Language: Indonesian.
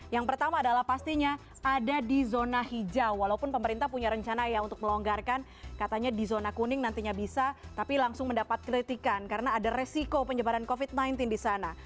yang pertama adalah pastinya ada di zona hijau walaupun pemerintah punya rencana ya untuk melonggarkan katanya di zona kuning nantinya bisa tapi langsung mendapat kritikan karena ada resiko penyebaran covid sembilan belas di sana